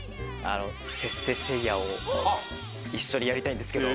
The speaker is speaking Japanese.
「せっせっせいや」を一緒にやりたいんですけど。